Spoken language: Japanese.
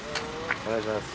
お願いします。